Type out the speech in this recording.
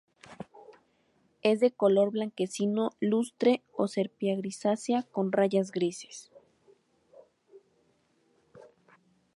Es de color blanquecino, lustre o sepia-grisácea con rayas grises.